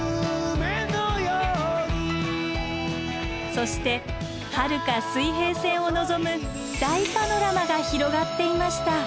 そしてはるか水平線を望む大パノラマが広がっていました。